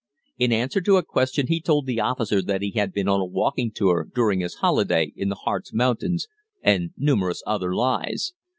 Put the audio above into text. In answer to a question he told the officer that he had been on a walking tour, during his holiday, in the Harz Mountains, and numerous other lies.